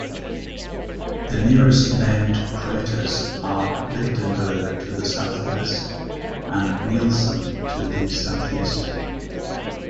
The nearest named craters are Lichtenberg to the southwest and Nielsen to the southeast.